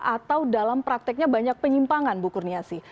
atau dalam prakteknya banyak penyimpangan bu kurniasi